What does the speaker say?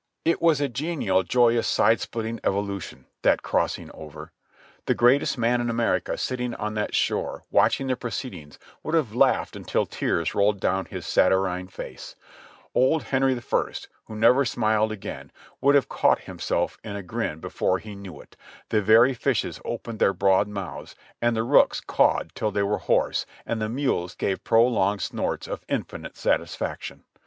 272 JOHNNY REB AND BILLY YANK It was a genial, joyous, side splitting evolution, that crossing over. The gravest man in America sitting on that shore watch ing the proceedings would have laughed until the tears rolled down his saturnine face; old Henry I, "who never smiled again," would have caught himself in a grin before he knew it ; the very fishes opened their broad mouths, and the rooks cawed till they were hoarse, and the mules gave prolonged snorts of infinite sat isfaction.